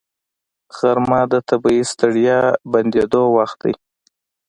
غرمه د طبیعي ستړیا بندېدو وخت دی